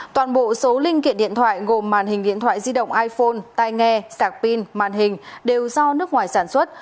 toàn bộ số linh kiện điện thoại gồm màn hình điện thoại di động iphone tai nghe sạc pin màn hình đều do nước ngoài sản xuất